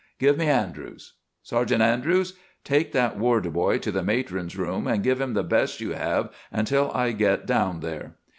Give me Andrews. Sergeant Andrews? Take that Ward boy to the matron's room and give him the best you have until I get down there."